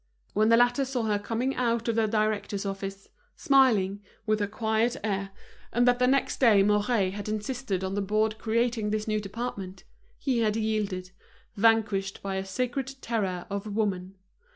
When the latter saw her coming out of the director's office, smiling, with her quiet air, and that the next day Mouret had insisted on the board creating this new department, he had yielded, vanquished by a sacred terror of woman.